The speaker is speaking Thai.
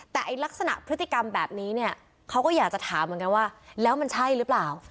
แต่ลักษณะพฤติกรรมแบบนี้เนี่ยเขาก็อยากจะถามเหมือนกันว่าแล้วมันใช่หรือเปล่า